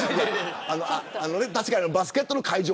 確かに、バスケットの会場